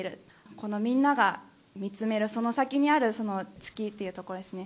このみんなが見つめるその先にある、その月っていう所ですね。